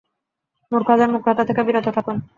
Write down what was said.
মূর্খদের মূর্খতা থেকে বিরত থাকুন!